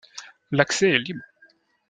L'accès est libre.